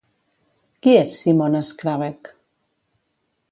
Qui és Simona Škrabec?